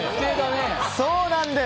そうなんです！